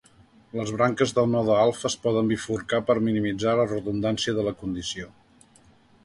Les branques del node alfa es poden bifurcar per minimitzar la redundància de la condició.